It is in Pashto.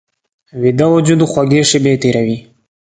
ویده وجود خوږې شیبې تېروي